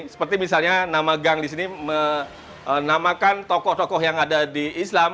seperti misalnya nama gang di sini menamakan tokoh tokoh yang ada di islam